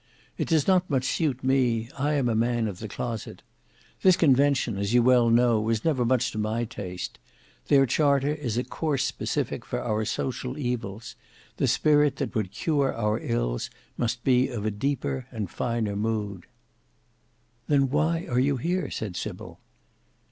It does not much suit me; I am a man of the closet. This Convention, as you well know, was never much to my taste. Their Charter is a coarse specific for our social evils. The spirit that would cure our ills must be of a deeper and finer mood." "Then why are you here?" said Sybil.